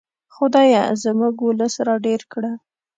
خدایه زموږ ولس را ډېر کړه.